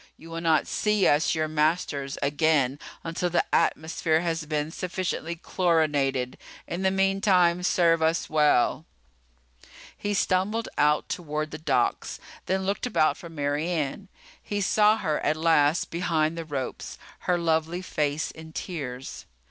You will not see us, your masters, again until the atmosphere has been sufficiently chlorinated. In the meantime, serve us well." He stumbled out toward the docks, then looked about for Mary Ann. He saw her at last behind the ropes, her lovely face in tears.